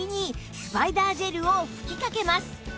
スパイダージェルを吹きかけます